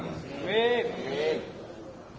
akhirnya saya ingin mengucapkan terima kasih